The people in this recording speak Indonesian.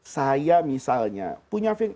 saya misalnya punya fi'ing